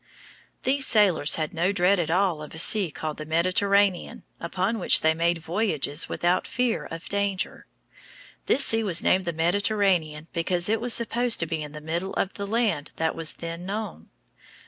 These sailors had no dread at all of a sea called the Mediterranean, upon which they made voyages without fear of danger. This sea was named the Mediterranean because it was supposed to be in the middle of the land that was then known.